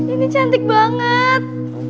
ini cantik banget